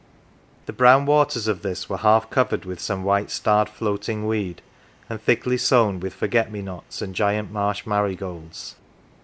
The brown waters of this were half covered with some white starred floating weed, and thickly sown with forget me nots and giant marsh marigolds.